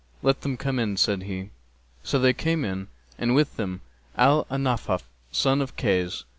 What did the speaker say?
'Let them come in,' said he. So they came in and with them Al Ahnáf son of Kays.